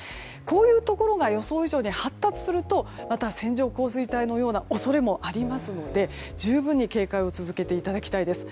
こういうところが予想以上に発達すると、また線状降水帯のような恐れもありますので十分に警戒を続けていただきたいです。